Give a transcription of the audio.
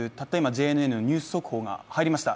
ＪＮＮニュース速報が入りました。